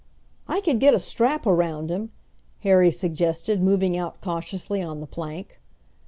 "I could get a strap around him!" Harry suggested, moving out cautiously on the plank.